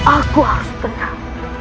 aku harus tenang